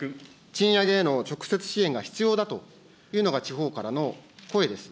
賃上げへの直接支援が必要だというのが地方からの声です。